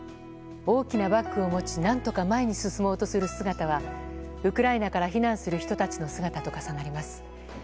大きなバッグを持ち何とか前に進もうとする姿はウクライナから避難する人たちの姿と重なります。